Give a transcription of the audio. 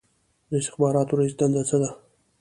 د استخباراتو رییس دنده څه ده؟